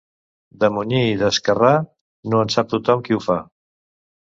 De munyir i d'esquerrar, no en sap tothom qui ho fa.